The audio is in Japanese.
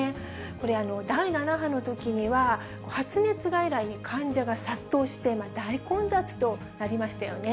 これ、第７波のときには、発熱外来に患者が殺到して大混雑となりましたよね。